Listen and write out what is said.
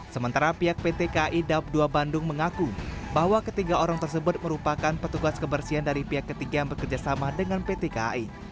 sementara pihak pt kai dap dua bandung mengaku bahwa ketiga orang tersebut merupakan petugas kebersihan dari pihak ketiga yang bekerjasama dengan pt kai